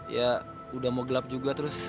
ya udah mau gelap juga terus